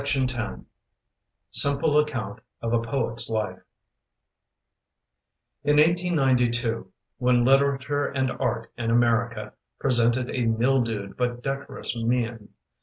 1 SIMPLE ACCOUNT OF A POET'S LIFE IN 1892 When literature and art in America Presented a mildewed but decorous mien.